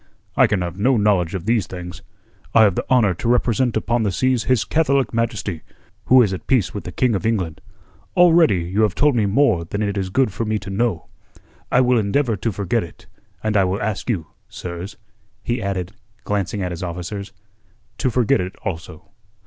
"I can have no knowledge of these things. I have the honour to represent upon the seas His Catholic Majesty, who is at peace with the King of England. Already you have told me more than it is good for me to know. I will endeavour to forget it, and I will ask you, sirs," he added, glancing at his officers, "to forget it also."